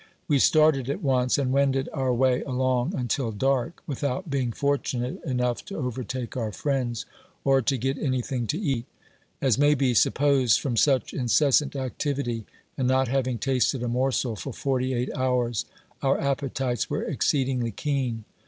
We started at once, and wended our way along until dark, without being fortunate enough to overtake our friends, or to get any thing to eat. As may be supposed, from such inces sant activity, and not having tasted a morsel for forty eight hours, our appetites were exceedingly keen.